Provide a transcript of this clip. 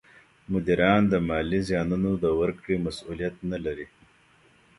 مدیران د مالي زیانونو د ورکړې مسولیت نه لري.